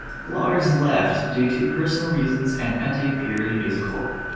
Lars left due to personal reasons and Atte purely musical.